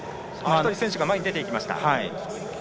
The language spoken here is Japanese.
１人、選手が前に出ていきました。